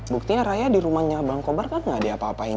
buktinya raya di rumahnya bang kobar kan gak diapa apain